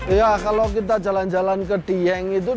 iya kalau kita jalan jalan ke dieng itu